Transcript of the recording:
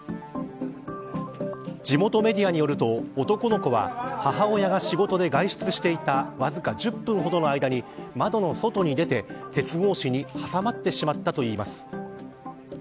地元メディアによると、男の子は母親が仕事で外出していたわずか１０分ほどの間に窓の外に出て、鉄格子に挟まってしまったといいます。